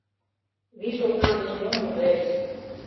Виш окна гыч мом ужеш: